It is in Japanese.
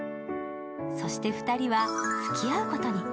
そして２人は付き合うことに。